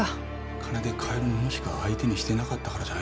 金で買える物しか相手にしていなかったからじゃないですか？